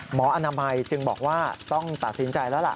อนามัยจึงบอกว่าต้องตัดสินใจแล้วล่ะ